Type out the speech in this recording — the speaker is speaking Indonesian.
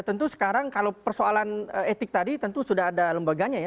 dan tentu sekarang kalau persoalan etik tadi tentu sudah ada lembaga yang kredibel